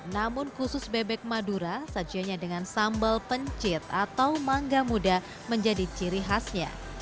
namun khusus bebek madura sajiannya dengan sambal pencit atau mangga muda menjadi ciri khasnya